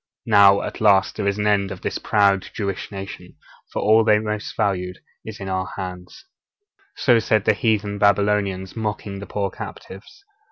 Now, at last, there is an end of this proud Jewish nation, for all that they most valued is in our hands.' So said the heathen Babylonians, mocking the poor captives.